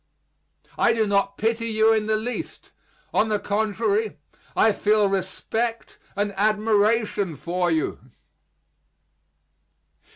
I do not pity you in the least. On the contrary, I feel respect and admiration for you.